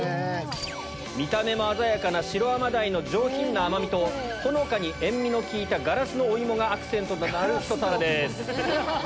見た目も鮮やかな白甘鯛の上品な甘みとほのかに塩味の効いたガラスのお芋がアクセントとなるひと皿です。